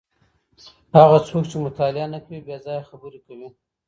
هغه څوک چي مطالعه نه کوي بې ځایه خبري کوي.